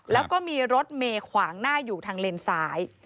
แล้วก็มีรถเมย์ขวางหน้าอยู่ทางเลนซ้าย